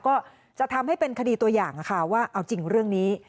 ก็จะทำให้เป็นคดีตัวอย่างค่ะว่าเอาจริงเรื่องนี้